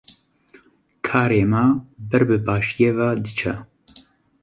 Karê me ber bi başiyê ve diçe.